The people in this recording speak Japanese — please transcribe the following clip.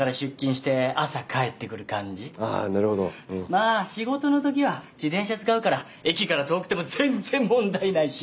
まあ仕事の時は自転車使うから駅から遠くても全然問題ないし。